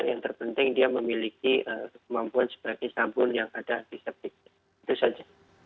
yang terpenting dia memiliki kemampuan sebagai sabun yang ada antiseptik itu saja